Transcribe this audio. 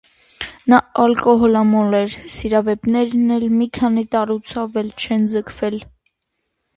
Նա ալկոհոլամոլ էր, սիրավեպերն էլ մի քանի տարուց ավել չեն ձգվել։